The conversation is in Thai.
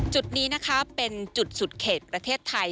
จุดนี้นะคะเป็นจุดสุดเขตประเทศไทย